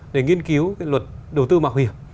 để nghiên cứu luật đầu tư mạo hiểm